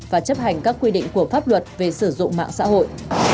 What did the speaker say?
và chấp hành các quy định của pháp luật về sử dụng mạng xã hội